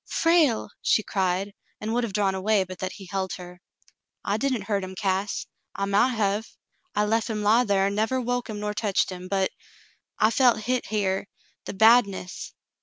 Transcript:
"Frale !" she cried, and would have drawn away but that he held her. "L didn't hurt him, Cass. I mount hev. I lef him lie thar an' never woke him nor teched him, but — I felt hit here — the badness."